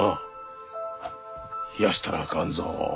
冷やしたらあかんぞ。